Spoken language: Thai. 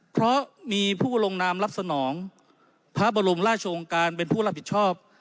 เพราะมีผู้ลงนามรับสนองพระบรมราชองค์การเป็นผู้รับผิดชอบ